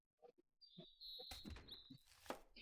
chambua matembele yako